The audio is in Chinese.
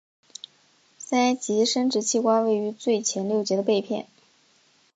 鳃及生殖器官位于最前六节的背片。